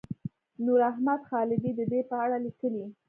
نوراحمد خالدي د دې په اړه لیکلي.